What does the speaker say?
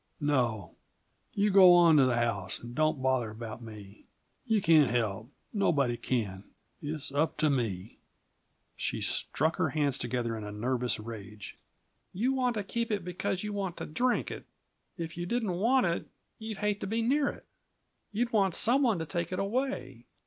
"No, You go on to the house, and don't bother about me. You can't help nobody can. It's up to me." She struck her hands together in a nervous rage. "You want to keep it because you want to drink it! If you didn't want it, you'd hate to be near it. You'd want some one to take it away.